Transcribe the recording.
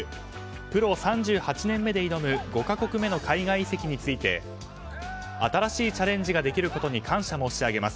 プロ３８年目で挑む５か国目の海外移籍について新しいチャレンジができることに感謝申し上げます。